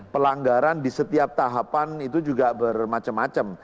pelanggaran di setiap tahapan itu juga bermacam macam